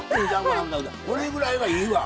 これぐらいがいいわ。